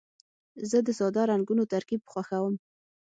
زه د ساده رنګونو ترکیب خوښوم.